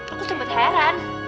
aku sempet heran